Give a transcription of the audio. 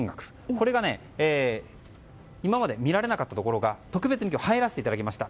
これがね今まで見られなかったのが特別に今日は入らせていただきました。